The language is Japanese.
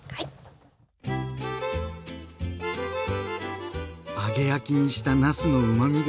揚げ焼きにしたなすのうまみが凝縮！